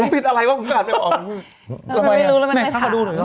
พูดอะไรบ้าง